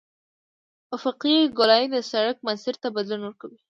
افقي ګولایي د سرک مسیر ته بدلون ورکوي